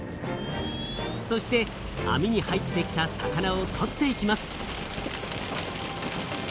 そしてあみに入ってきた魚をとっていきます。